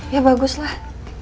ya bagus lah